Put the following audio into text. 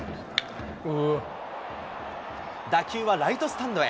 打球はライトスタンドへ。